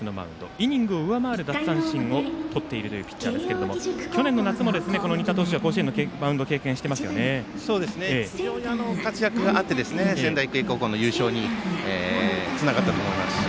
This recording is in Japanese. イニングを上回る奪三振をとっているピッチャーですが去年の夏も仁田投手は甲子園のマウンドを非常に活躍があって仙台育英高校の優勝につながったと思います。